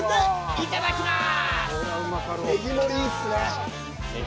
いただきまーす。